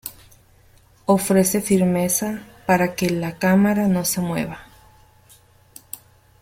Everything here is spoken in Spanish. Ofrece firmeza para que la cámara no se mueva.